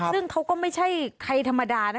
ซึ่งเขาก็ไม่ใช่ใครธรรมดานะ